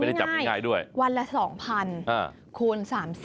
เอาง่ายวันละ๒๐๐๐คูณ๓๐